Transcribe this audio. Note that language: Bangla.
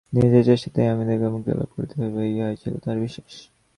নিজেদের চেষ্টাতেই আমাদিগকে মুক্তিলাভ করিতে হইবে, ইহাই ছিল তাঁহার বিশ্বাস।